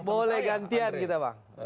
boleh gantian kita bang